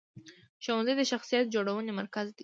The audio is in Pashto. ښوونځی د شخصیت جوړونې مرکز دی.